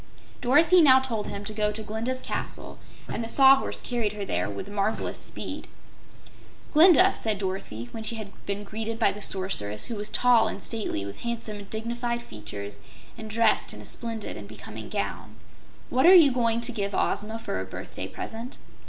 Dorothy now told him to go to Glinda's Castle and the Sawhorse carried her there with marvelous speed. "Glinda," said Dorothy, when she had been greeted by the Sorceress, who was tall and stately, with handsome and dignified features and dressed in a splendid and becoming gown, "what are you going to give Ozma for a birthday present?"